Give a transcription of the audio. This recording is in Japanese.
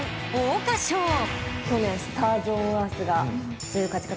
去年スターズオンアースが強い勝ち方しましたね。